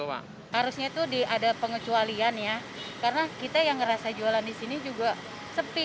harusnya itu diada pengecualian ya karena kita yang ngerasa jualan di sini juga sepi